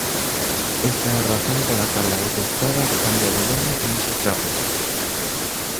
Está é a razón pola cal a autoestrada cambia de nome nese tramo.